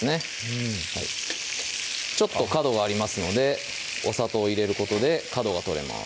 うんちょっと角がありますのでお砂糖入れることで角が取れます